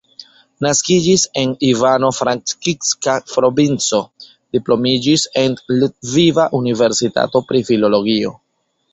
Naskiĝis en Ivano-Frankivska provinco, diplomiĝis en Lviva Universitato pri filologio.